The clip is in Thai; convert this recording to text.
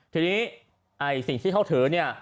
ทีนี้สิ่งที่เขาถือเนี่ย